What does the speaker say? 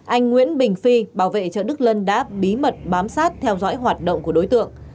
anh nguyễn bình phi bảo vệ chợ đức lân đã bí mật bám sát theo dõi hoạt động của đối tượng